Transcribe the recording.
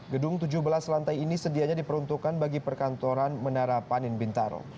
gedung tujuh belas lantai ini sedianya diperuntukkan bagi perkantoran menara panin bintaro